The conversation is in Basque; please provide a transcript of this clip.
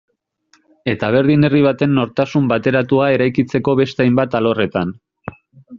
Eta berdin herri baten nortasun bateratua eraikitzeko beste hainbat alorretan.